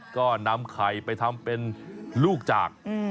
ก็นำไข่ไปทำเป็นลูกจาก